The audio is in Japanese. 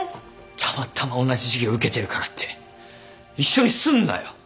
たまたま同じ授業受けてるからって一緒にすんなよ。